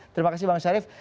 terima kasih bang syarif